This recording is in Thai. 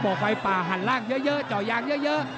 บอกไฟป่าหันล่างเยอะเยอะเจาะยางเยอะเยอะ